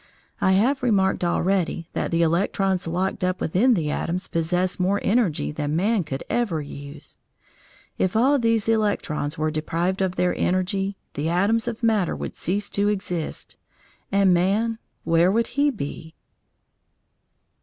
I have remarked already that the electrons locked up within the atoms possess more energy than man could ever use. If all these electrons were deprived of their energy, the atoms of matter would cease to exist, and man, where would he be?